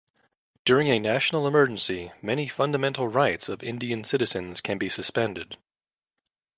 During a national emergency, many Fundamental Rights of Indian citizens can be suspended.